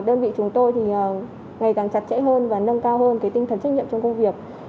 đơn vị chúng tôi thì ngày càng chặt chẽ hơn và nâng cao hơn cái tinh thần trách nhiệm trong công việc